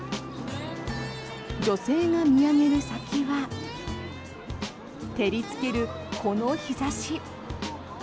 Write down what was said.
女性が見上げる先は照りつけるこの日差し。